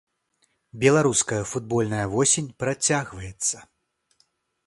Беларуская футбольная восень працягваецца!